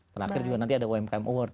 terakhir juga nanti ada umkm award